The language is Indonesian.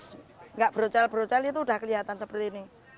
tidak brocel brocel itu sudah kelihatan seperti ini